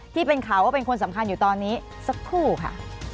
ที่เป็นข่าวว่าเป็นคนสำคัญอยู่ตอนนี้สักครู่ค่ะ